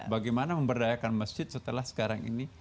bagaimana memberdayakan masjid setelah sekarang ini